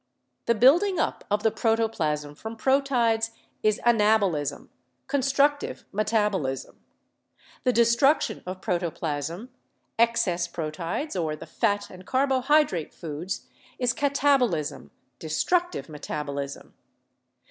The building up of the protoplasm from proteids is anabolism, constructive metabolism. The destruction of protoplasm, excess proteids or the fat and carbohydrate foods is katabolism, destructive metabolism.